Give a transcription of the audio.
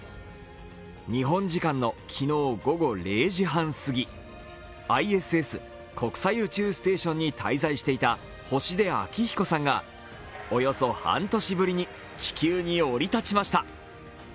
日本時間の昨日午後０時半過ぎ、ＩＳＳ＝国際宇宙ステーションに滞在していた星出彰彦さんが、およそ半年ぶりに地球降り立ちました。